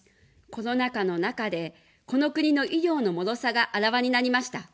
コロナ禍の中で、この国の医療のもろさがあらわになりました。